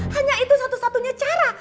hanya itu satu satunya cara